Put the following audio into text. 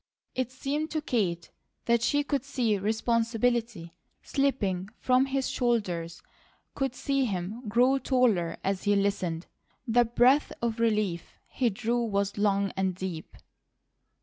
It seemed to Kate that she could see responsibility slipping from his shoulders, could see him grow taller as he listened. The breath of relief he drew was long and deep.